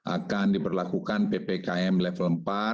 akan diperlakukan ppkm level empat